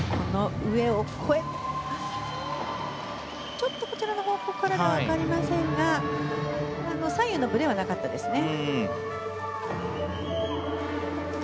ちょっとこちらの方向からじゃ分かりませんが左右のブレはなかったですね。